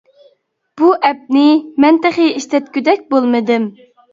بۇ ئەپنى مەن تېخى ئىشلەتكۈدەك بولمىدىم.